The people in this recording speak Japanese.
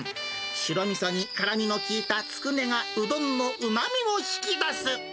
白みそに辛みの効いたつくねがうどんのうまみを引き出す。